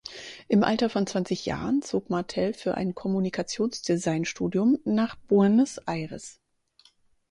Im Alter von zwanzig Jahren zog Martel für ein Kommunikationsdesign-Studium nach Buenos Aires.